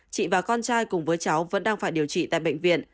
chị và con trai cùng với cháu vẫn đang phải điều trị tại bệnh viện